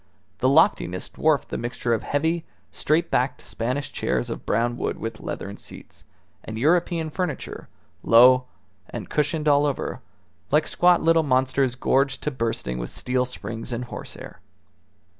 The loftiness dwarfed the mixture of heavy, straight backed Spanish chairs of brown wood with leathern seats, and European furniture, low, and cushioned all over, like squat little monsters gorged to bursting with steel springs and horsehair.